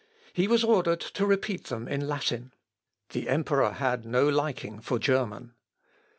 He was ordered to repeat them in Latin. The emperor had no liking for German.